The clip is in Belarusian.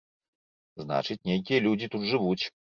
Значыць, нейкія людзі тут жывуць.